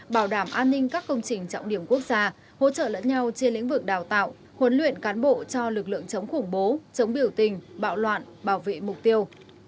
bảo đảm an ninh các công trình trọng điểm quốc gia hỗ trợ lẫn nhau trên lĩnh vực đào tạo huấn luyện cán bộ cho lực lượng chống khủng bố chống biểu tình bạo loạn bảo vệ mục tiêu